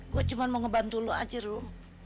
gue cuma mau ngebantu lu aja rum